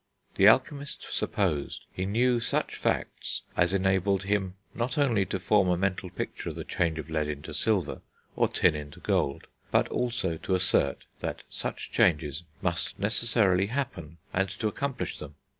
The alchemist supposed he knew such facts as enabled him not only to form a mental picture of the change of lead into silver, or tin into gold, but also to assert that such changes must necessarily happen, and to accomplish them.